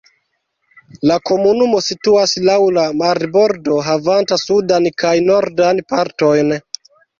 La komunumo situas laŭ la marbordo havanta sudan kaj nordan partojn.